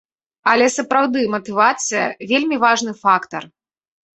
Але, сапраўды, матывацыя, вельмі важны фактар.